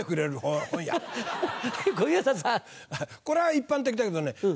これは一般的だけどね